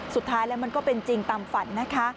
สุดท้ายแล้วมันก็เป็นจริงตามฝันนะคะ